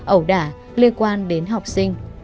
ẩu đả liên quan đến học sinh